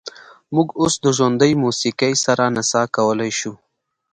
موږ اوس د ژوندۍ موسیقۍ سره نڅا کولی شو